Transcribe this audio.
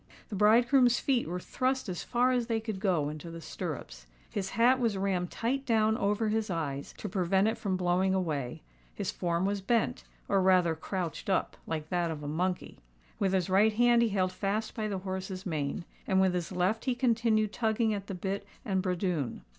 The bridegroom's feet were thrust as far as they could go into the stirrups: his hat was rammed tight down over his eyes, to prevent it from blowing away;—his form was bent, or rather crouched up, like that of a monkey;—with his right hand he held fast by the horse's mane;—and with his left he continued tugging at the bit and bradoon.